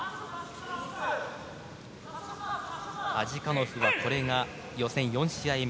アジカノフがこれが予選４試合目。